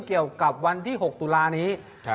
เกี่ยวกับวันที่๖ตุลานี้